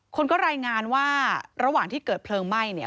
คนก็รายงานว่าระหว่างที่เกิดเพลิงไหม้เนี่ย